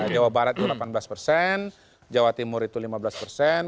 jawa barat itu delapan belas persen jawa timur itu lima belas persen